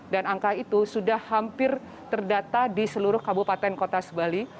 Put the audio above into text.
angka itu sudah hampir terdata di seluruh kabupaten kota sebali